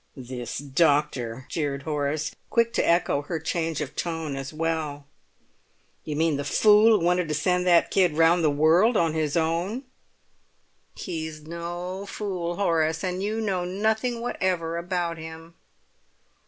"This doctor!" jeered Horace, quick to echo her change of tone as well. "You mean the fool who wanted to send that kid round the world on his own?" "He's no fool, Horace, and you know nothing whatever about him."